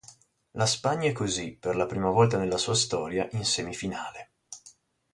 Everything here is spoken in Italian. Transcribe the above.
La Spagna è così, per la prima volta nella sua Storia, in semifinale.